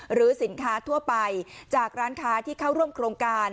หรือสินค้าทั่วไปจากร้านค้าที่เข้าร่วมโครงการ